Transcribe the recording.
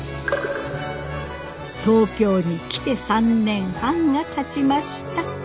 東京に来て３年半がたちました。